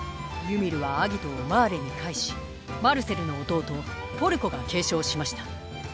ユミルは「顎」をマーレに返しマルセルの弟ポルコが継承しました。